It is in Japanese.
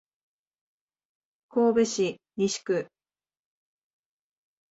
神戸市西区